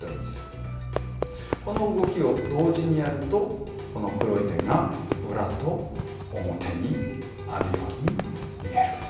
この動きを同時にやるとこの黒い点が裏と表にあるように見えるんです。